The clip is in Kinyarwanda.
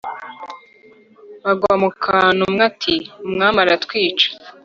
bagwa mukantu umwe ati"umwami aratwica "